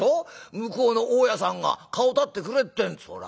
向こうの大家さんが顔立ててくれってんですから」。